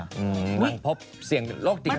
นางพบเสี่ยงโรคดีแล้ว